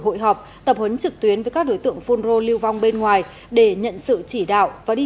hội họp tập huấn trực tuyến với các đối tượng phun rô lưu vong bên ngoài để nhận sự chỉ đạo và đi